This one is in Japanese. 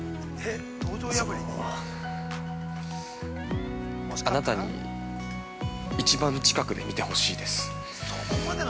そのあなたに一番近くで見てほしいです。